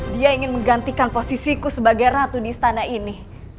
dia ingin menggantikan posisiku sebagai ratu di istana ini